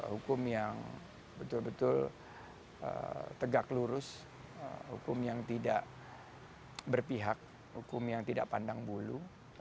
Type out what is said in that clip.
hukum yang betul betul tegak lurus hukum yang tidak berpihak hukum yang tidak pandang bulu